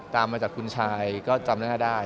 ตามมาจากคุณชายก็จำหน้าได้